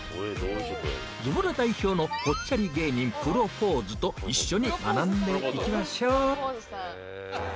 ズボラ代表のぽっちゃり芸人プロポーズと一緒に学んでいきましょう！